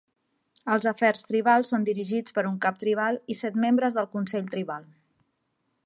Els afers tribals són dirigits per un cap tribal i set membres del consell tribal.